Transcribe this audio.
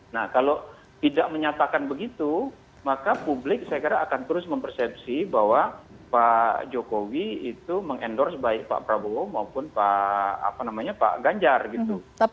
nah kalau tidak menyatakan begitu maka publik saya kira akan terus mempersepsi bahwa pak jokowi itu mengendorse baik pak prabowo maupun pak ganjar gitu